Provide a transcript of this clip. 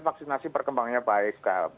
vaksinasi perkembangannya baik